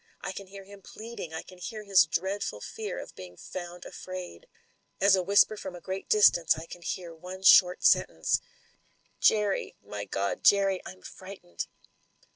I can hear him pleading — I can hear his dreadful fear of being found afraid. As a whisper from a great dis tance I can hear one short sentence — 'J^rry* niy G<^> Jerry — ^I'm frightened!'